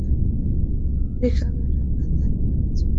রিকাবে রাখা তাঁর পায়ে চুমু খেলাম।